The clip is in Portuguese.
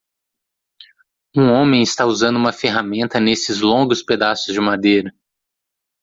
Um homem está usando uma ferramenta nesses longos pedaços de madeira.